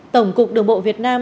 tổng cục đường bộ việt nam